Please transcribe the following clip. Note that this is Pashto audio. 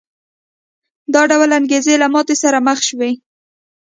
دا ډول انګېزې له ماتې سره مخ شوې.